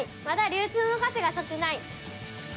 まだ流通の数が少ない。